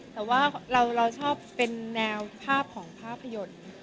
แต่ว่าเราชอบเป็นแนวภาพของภาพยนตร์